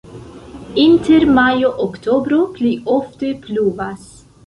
Inter majo-oktobro pli ofte pluvas.